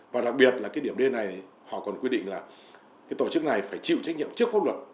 và đặc biệt là cái điểm d này họ còn quy định là cái tổ chức này phải chịu trách nhiệm trước pháp luật